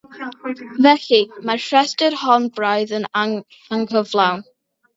Felly mae'r rhestr hon braidd yn anghyflawn.